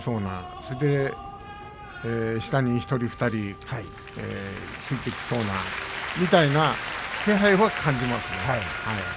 そして下に１人２人ついてきそうなみたいな気配は感じます。